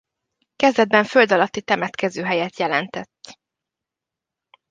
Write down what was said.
Kezdetben föld alatti temetkezőhelyet jelentett.